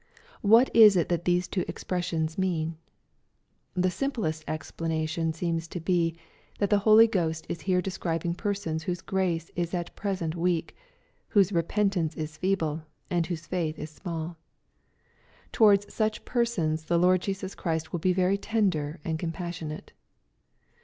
What is it that these two expressions mean ? The simplest explanation seems to bey.that the Holy Ghost is here describing persons whose grace is at present weak, whose repentance is feeble, and whose faith is smalL Towards such persons the Lord Jesus Christ will be very tender and compassionate.